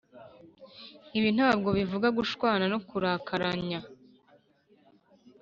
ibi ntabwo bivuga gushwana no kurakaranya,